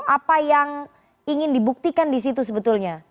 apa yang ingin dibuktikan disitu sebetulnya